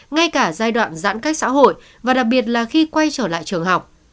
ngay cả giai đoạn giãn cách xã hội và đặc biệt là khi quay trở lại trường học